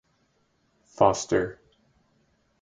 Foster.